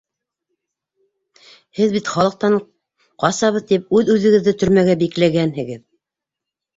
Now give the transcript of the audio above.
Һеҙ бит халыҡтан ҡасабыҙ тип үҙ-үҙегеҙҙе төрмәгә бикләгәнһегеҙ!